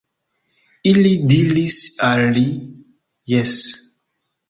Ili diris al li: Jes.